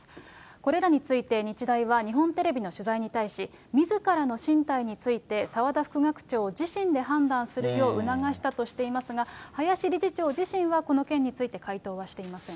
これらについて日大は日本テレビの取材に対し、みずからの進退について、澤田副学長自身で判断するよう促したとしていますが、林理事長自身は、この件について回答はしていません。